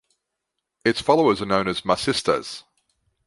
Its followers are known as "masistas".